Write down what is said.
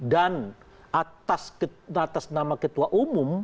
dan atas nama ketua umum